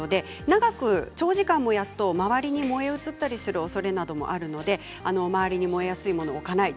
長く長時間燃やすと周りに燃え移ったりするおそれがありますので周りに燃えやすいものを置かない